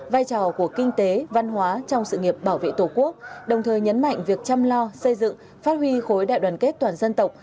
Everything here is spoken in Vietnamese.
vai trò của kinh tế văn hóa trong sự nghiệp bảo vệ tổ quốc đồng thời nhấn mạnh việc chăm lo xây dựng phát huy khối đại đoàn kết toàn dân tộc